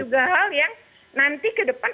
juga hal hal yang nanti ke depan